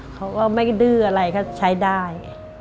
เขาก็ไม่ดื้ออะไรก็ใช้ได้